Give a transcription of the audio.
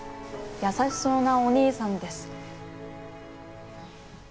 優しそうなお兄さんです。